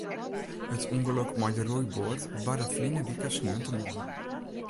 It ûngelok mei de roeiboat barde ferline wike sneontemoarn.